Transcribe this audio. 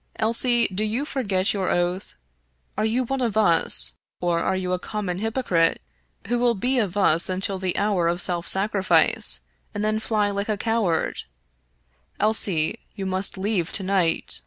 " Elsie, do you forget your oath ? Are you one of us, or are you a common hypocrite, who will be of us until the hour of self sacrifice, and then fly like a coward ? Elsie, you must leave to night."